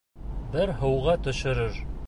Бер һыуға төшөрөр.